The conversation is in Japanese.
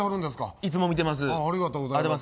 いつも見てます。